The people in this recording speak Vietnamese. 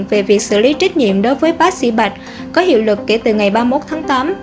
về việc xử lý trách nhiệm đối với bác sĩ bạch có hiệu lực kể từ ngày ba mươi một tháng tám